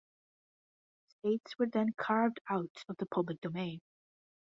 States were then carved out of the public domain.